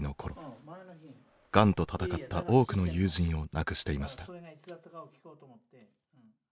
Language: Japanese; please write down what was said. がんと闘った多くの友人を亡くしていました。